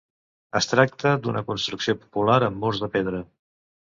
Es tracta d'una construcció popular amb murs de pedra.